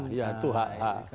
oh ya itu hak